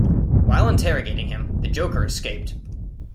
While interrogating him, the Joker escaped.